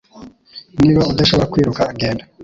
Niba udashobora kwiruka, genda.